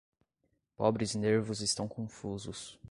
Pobres nervos estão confusos.